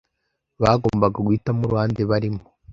Bagomba guhitamo uruhande barimo.